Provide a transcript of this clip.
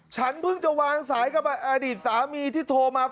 ฉันเพิ่งจะวางสายกับอดีตสามีที่โทรมา